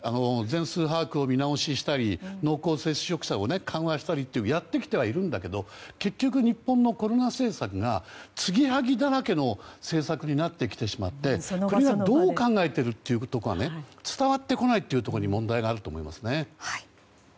全数把握を見直ししたり濃厚接触者を緩和したりとやってきてはいるんだけど結局、日本のコロナ政策が、つぎはぎだらけの政策になってきてしまって国がどう考えているということが伝わってこないことに問題があると思いますね。